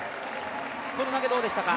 この投げどうでしたか。